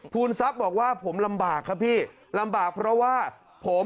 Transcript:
ทรัพย์บอกว่าผมลำบากครับพี่ลำบากเพราะว่าผม